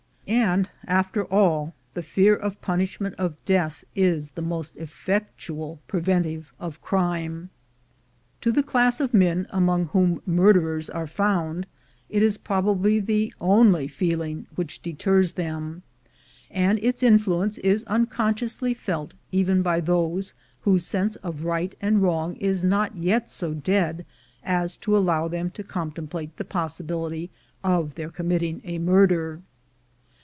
And after all, the fear of punishment of death is the most effectual preventive of crime. To the class of men among whom murderers are found, it is prob ably the only feeling which deters them, and its in fluence is unconsciously felt even by those whose sense of right and wrong is not yet so dead as to allow them to contemplate the possibility of their commit ting a murder.